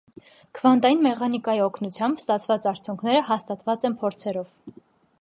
Քվանտային մեխանիկայի օգնությամբ ստացված արդյունքները հաստատված են փորձերով։